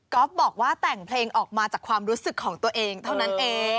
บอกว่าแต่งเพลงออกมาจากความรู้สึกของตัวเองเท่านั้นเอง